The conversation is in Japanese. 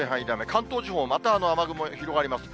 関東地方、また雨雲広がります。